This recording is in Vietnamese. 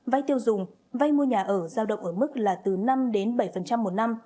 vay tiêu dùng vay mua nhà ở giao động ở mức là từ năm đến bảy một năm